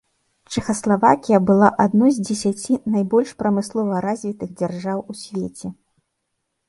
Чэхаславакія была адной з дзесяці найбольш прамыслова развітых дзяржаў у свеце.